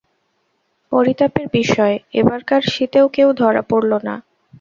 পরিতাপের বিষয়, এবারকার শীতেও কেউ ধরা পড়ল না।